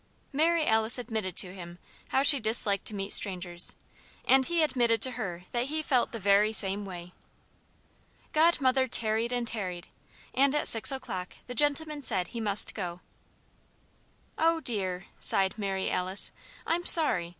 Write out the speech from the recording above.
Mary Alice admitted to him how she disliked to meet strangers, and he admitted to her that he felt the very same way. Godmother tarried and tarried, and at six o'clock the gentleman said he must go. "Oh, dear!" sighed Mary Alice. "I'm sorry!